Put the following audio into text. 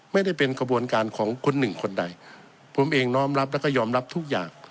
ไม่ได้เป็นกระบวนการของคนหนึ่งคนใดผมเองน้อมรับแล้วก็ยอมรับทุกอย่าง